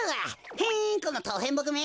へんこのとうへんぼくめ。